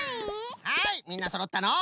はいみんなそろったのう。